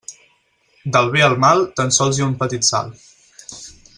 Del bé al mal tan sols hi ha un petit salt.